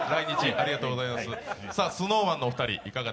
ありがとうございます。